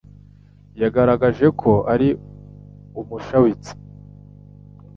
yagaragaje ko ari umushabitsi